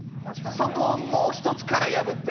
そこをもう一つ殻破って。